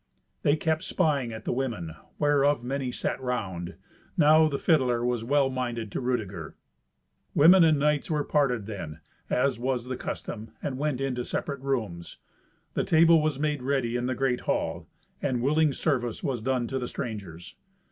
They kept spying at the women, whereof many sat round. Now the fiddler was well minded to Rudeger. Women and knights were parted then, as was the custom, and went into separate rooms. The table was made ready in the great hall, and willing service was done to the strangers.